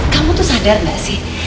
kamu tuh sadar gak sih